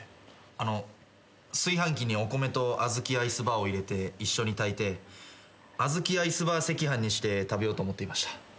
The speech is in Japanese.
あの炊飯器にお米とあずきアイスバーを入れて一緒に炊いてあずきアイスバー赤飯にして食べようと思っていました。